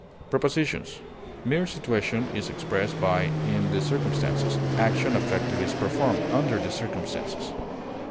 Prepositions: "Mere situation is expressed by 'in the circumstances'; action affected is performed 'under the circumstances.'"